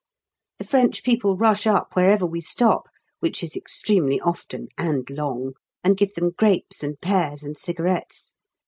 The French people rush up wherever we stop (which is extremely often and long) and give them grapes and pears and cigarettes.